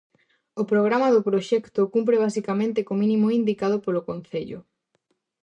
O programa do proxecto cumpre basicamente co mínimo indicado polo concello.